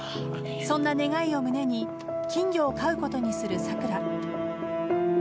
そんな願いを胸に金魚を飼うことにする、さくら。